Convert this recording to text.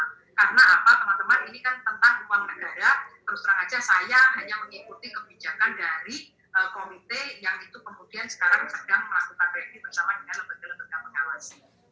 terus terang aja saya hanya mengikuti kebijakan dari komite yang itu kemudian sekarang sedang melakukan reaksi bersama dengan lembaga lembaga pengawas